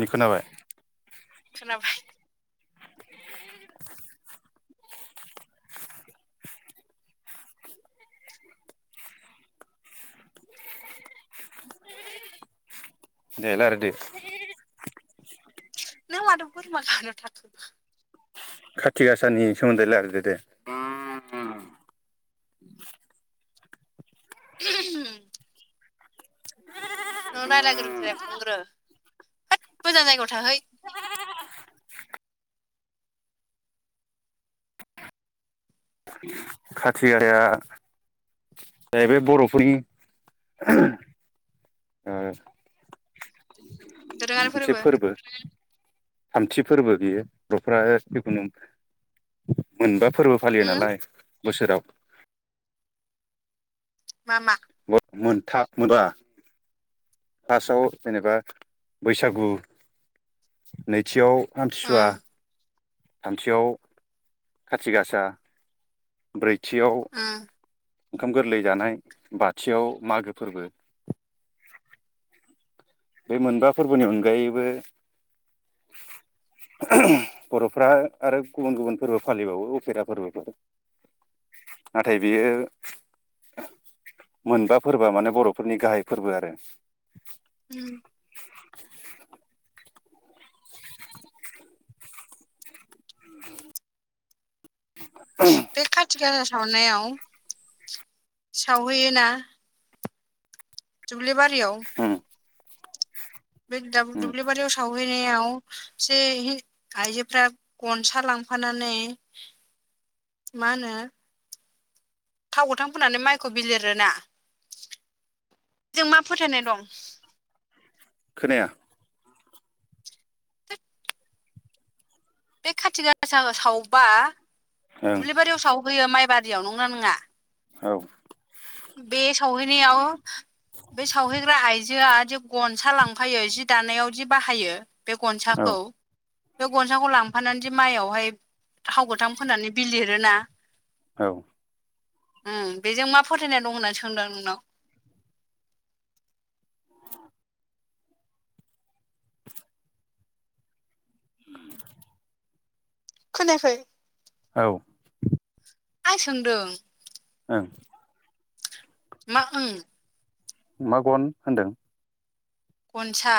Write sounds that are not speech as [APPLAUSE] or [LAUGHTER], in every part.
नि खोनाबाय खोनाबाय [INAUDIBLE] दे रायलाय दे नों माथो बोरमा खानायाव थाखो? खाथि गासानि सोमोन्दै लाइरायदो दे ओ [UNINTELLIGIBLE] नों रायलायग्रोदो दे बुंग्रो होद मोजां जायगायाव थाहै [INAUDIBLE] खाथि गाराया जाहैबाय बर'फोरनि ओ मोनसे फोरबो थामथि फोरबो बियो दखराया जिखुनु मोनबा फोरबो फालियो होम नालाय बोसोराव मा मा? मो मोनथा मोनबा फार्स्टआव जेनेबा बैसागु, नैथियाव आमथिसुवा, उम थामथियाव खाथि गासा ब्रैथियाव उम ओंखाम गोरलै जानाय, बाथियाव मागो फोरबो। बे मोनबा फोरबोनि अनगायैबो [INAUDIBLE] बर'फ्रा आरो गुबुन गुबुन फोरबो फालिबावो उफेरा फोरबोफोर नाथाय बियो मोनबा फोरबोआ माने बरफोरनि गाहाय फोरबो आरो उम बे खाथि गासा सावनायाव सावहैयोना दुब्लि बारियाव उम बे उम दुब्लिबारियाव सावहै [UNINTELLIGIBLE] आइजोफ्रा गनसा लांफानानै माहोनो थाव गोथां फोननानै माइखौ बिलिरोना बेजों मा फोथायनाय दं खोनाया बे खाथि गासा सावबा ओं दुब्लि बारियाव सावहैयो माइबा रियाव नंगौ ना नंङा औ बे सावहैनायाव बे सावहैग्रा आइजोआ जि गनसा लांफायो जि दानायाव जि बाहायो बे औ गनसाखौ बे गनसाखौ लांफानानै जे माइआवहाय थाव गोथां फोननानै बिलिरोना औ उम बेजों मा फोथायनाय दं होननानै सोंदों आं नोंनाव उम खोनायाखै औ आं सोंदों ओं मा उम मा गन होनदों गनसा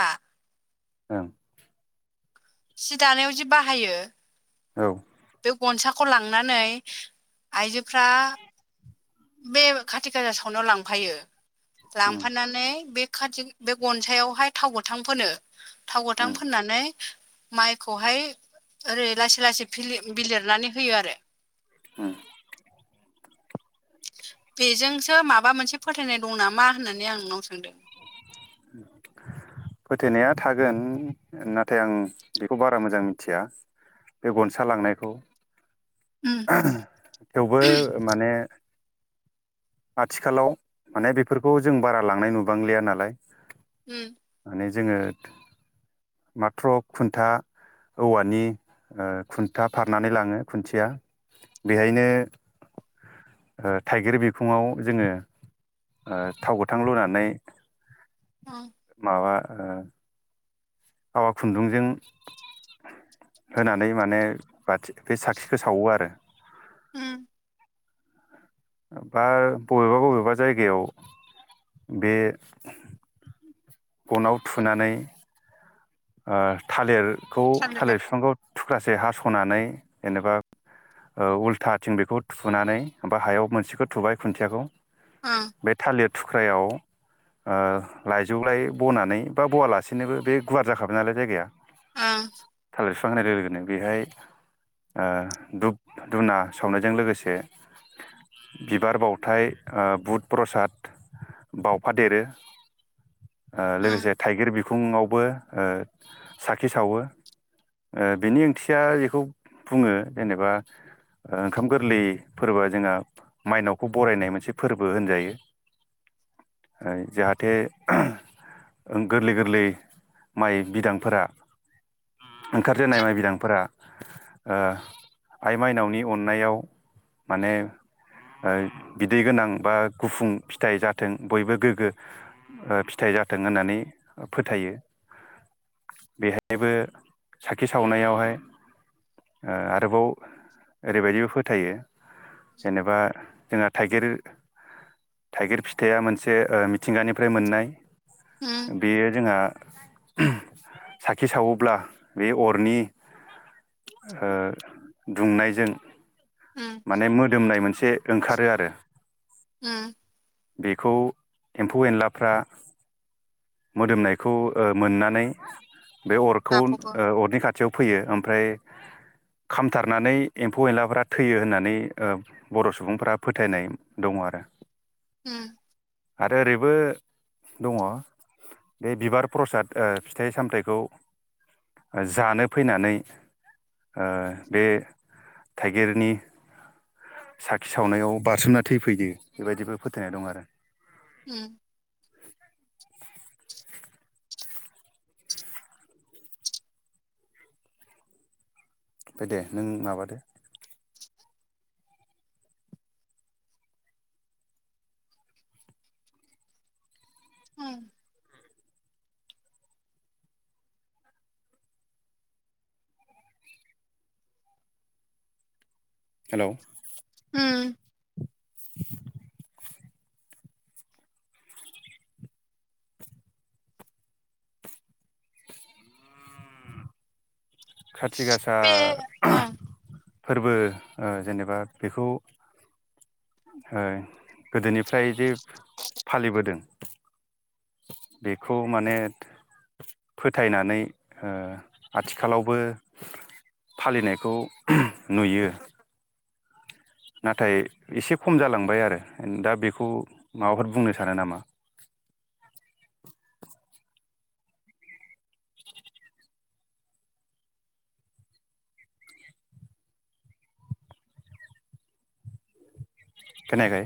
ओं सि दानायाव जि बाहायो औ बे गनसाखौ लांनानै आइजोफ्रा बे खाथि खाजा सावनायाव लांफायो उम लांफानानै बे खाथि बे गनसायावहाय थाव गोथां फोनो थाव गोथां उम फोननानै माइखौहाय ओरै लासै लासै बिलिरनानै होयो आरो उम बेजोंसो माबा मोनसे फोथायनाय दं नामा होननानै आं नोंनाव सोंदों [INAUDIBLE] फोथायनाया थागोन नाथाय आं बेखौ बारा मोजां मिथिया बे गनसा लांनायखौ उम थेवबो माने आथिखालाव माने बेफोरखौ जों बारा लांनाय नुबांलिया नालाय उम माने जोङो माथ्र खुन्था औवानि ओ खुन्था फारनानै लाङो खुन्थिया बेहायनो ओ थाइगिर बि खुङाव जोङो ओ थाव गोथां लुनानै उम माबा ओ आवा खुन्दुंजों होनानै माने बाथि बे साखिखौ सावो आरो उम बा बबेबा बबेबा जायगायाव बे गनाव थुनानै ओ थालिरखौ थालिर बिफांखौ थुख्रासे हासनानै जेनेबा औ उल्थाथिं बेखौ थुनानै बा हायाव मोनसेखौ थुबाय खुन्थियाखौ ओं बे थालिर थुख्रायाव ओ लाइजौ लायै बनानै बा बवालासेनोबो बे गुवार जाखा बाय नालाय जायगाया। ओं। बिफां होनाय लोगोनो बेहाय ओ धप धुना सावनायजों लोगोसे बिबार बावथाय ओ बुध प्रसाद बावफा देरो ओ ओं लोगोसे थाइगिर बिखुुंवावबो ओ साखि सावो। ओ बेनि ओंथिया जेखौ बुङो जेनेबा ओंखाम गोरलै फोरबोआ जोंहा माइनावखौ बरायनाय मोनसे फोरबो होनजायो। ओ जाहाथे गोरलै गोरलै माइ बिदांफोरा ओंखारजेननाय माइ बिदांफोरा ओ आइ माइनावनि अननायाव माने ओ बिदै गोनां बा गुफुं फिथाइ जाथों बयबो गोग्गो ओ फिथाइ जाथों होननानै फोथायो। बेहायबो साखि सावनायावहाय ओ आरोबाव ओरैबायदिबो फोथायो जेनेबा जोंहा थाइगिर थाइगिर फिथाइया मोनसे ओ मिथिंगानिफ्राय मोननाय उम बेयो जोंहा साखि सावोब्ला बे अरनि ओ दुंनायजों उम माने मोदोमनाय मोनसे ओंखारो आरो। ओम। बेखौ एम्फौ एनलाफ्रा मोदोमनायखौ ओ मोननानै बे अरखौ बाथौबो ओ अरनि खा खाथियाव फैयो ओमफ्राय खामथारनानै एम्फौ एनलाफोरा थैयो होननानै बर' ओ सुबुंफोरा फोथायनाय दङ। आरो। ओम। आरो ओरैबो दङ। बे बिबार प्रसाद ओ फिथाइ सामथाइखौ। जानो फैनानै ओ बे थाइगिरनि साखि सावनायाव बारसोमना थैफैयो बेबायदिबो फोथायनाय दं आरो। ओम। ओमफाय दे नों माबादो। ओम। हेलौ! ओम। [INAUDIBLE] खाथि गासा बे ओं फोरबो ओ जेनेबा बेखौ ओ गोदोनिफ्राय जे फालिबोदों बेखौ माने फोथायनानै ओ आथिखालावबो फालिनायखौ नुयो। नाथाय एसे खम जालांबाय आरो दा बेखौ माबाफोर बुंनो सानो नामा? [UNINTELLIGIBLE] खोनायाखै?